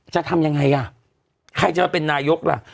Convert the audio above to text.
จะทำยังไงอ่ะใครจะมาเป็นนายกล่ะ